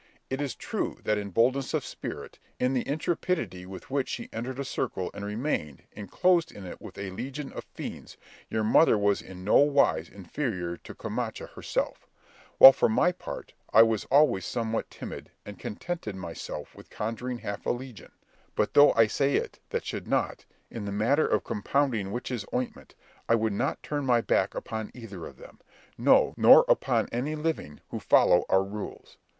It is true that in boldness of spirit, in the intrepidity with which she entered a circle, and remained enclosed in it with a legion of fiends, your mother was in no wise inferior to Camacha herself; while, for my part, I was always somewhat timid, and contented myself with conjuring half a legion; but though I say it that should not, in the matter of compounding witches' ointment, I would not turn my back upon either of them, no, nor upon any living who follow our rules.